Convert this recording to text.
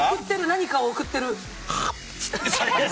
何かを送ってる。